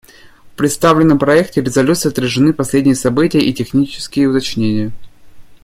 В представленном проекте резолюции отражены последние события и технические уточнения.